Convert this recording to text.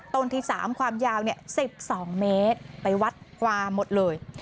ต้นที่๓ความยาว๑๒เมตรไปวัดกวาหมดเลย